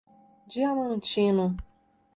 Diamantino